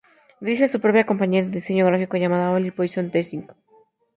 Dirige su propia compañía de diseño gráfico llamada "Holy Poison Design".